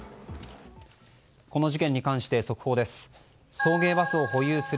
この事件に関して、速報です。